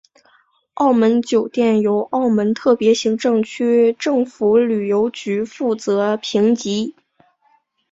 澳门酒店由澳门特别行政区政府旅游局负责评级。